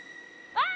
あっ！